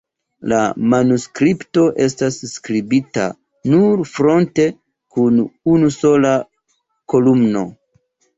La manuskripto estas skribita nur fronte kun unusola kolumno.